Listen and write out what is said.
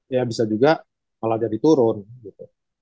ya bisa juga malah jadi turun gitu